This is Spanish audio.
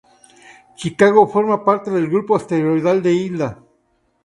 Chicago forma parte del grupo asteroidal de Hilda.